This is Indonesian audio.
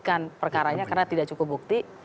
pasalnya dihentikan perkaranya karena tidak cukup bukti